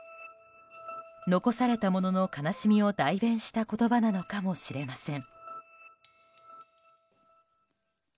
残されたものの悲しみを代弁した言葉なのかもしれません。